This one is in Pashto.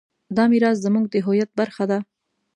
دا میراث زموږ د هویت برخه ده.